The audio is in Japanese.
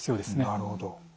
なるほど。